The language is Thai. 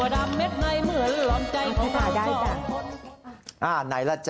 เท่าไหร่จ๊ะ